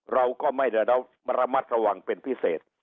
เราก็ไม่ได้ระมัดระวังเป็นพิเศษ